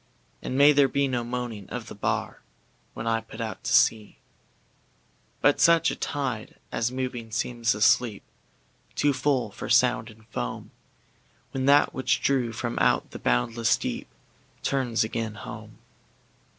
And may there be no moaning of the bar, When I put out to sea, But such a tide as moving seems asleep, Too full for sound and foam, When that which drew from out the boundless deepTurns again home.